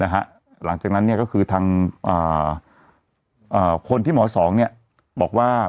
หลังจากนั้นก็คือทางคนที่หมอสองบอกว่า